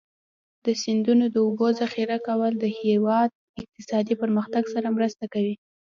د سیندونو د اوبو ذخیره کول د هېواد اقتصادي پرمختګ سره مرسته کوي.